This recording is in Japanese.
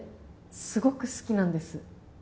すごく好きなんです